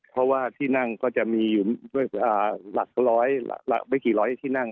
เพราะว่าที่นั่งก็จะมีหลักไม่กี่ร้อยที่นั่ง